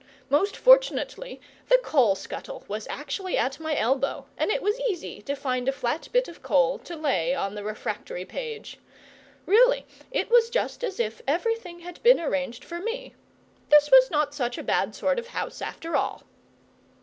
Most fortunately the coal scuttle was actually at my elbow, and it was easy to find a flat bit of coal to lay on the refractory page. Really, it was just as if everything had been arranged for me. This was not such a bad sort of house after all.